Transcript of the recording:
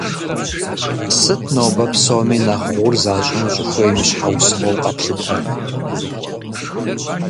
Сыт нобэ псоми нэхъ гъур защӏыну щӏыхуейм и щхьэусыгъуэу къэплъытэр?